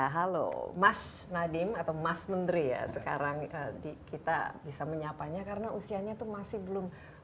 halo mas nadiem atau mas menteri ya sekarang kita bisa menyapanya karena usianya itu masih belum